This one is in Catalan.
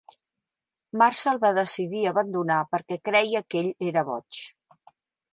Marshall va decidir abandonar perquè creia que ell era boig.